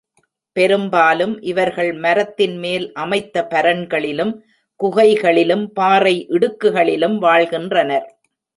பெரும்பாலும் இவர்கள் மரத்தின் மேல் அமைத்த பரண்களிலும், குகைகளிலும் பாறை இடுக்குகளிலும் வாழ்கின்றனர்.